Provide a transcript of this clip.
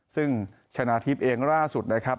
ซึ่งชนะทิพย์เองล่าสุดนะครับ